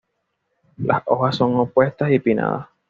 Las hojas son opuestas y pinnadas.